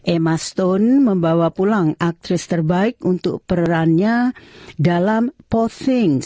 emma stone membawa pulang aktris terbaik untuk perannya dalam poor things